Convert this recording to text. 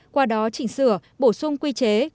qua đó chỉnh sửa bổ sung quy chế